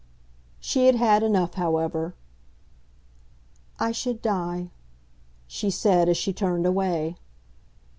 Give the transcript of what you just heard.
She had had enough, however. "I should die," she said as she turned away.